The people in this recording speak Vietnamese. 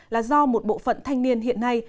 là do một bộ phận thanh niên hiện nay